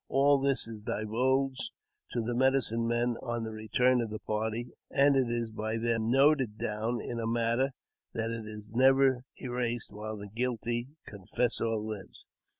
All this is divulged to the medicine men on the return of the party, and it is by them noted down in a manner that it is never erased while the guilty confessor lives.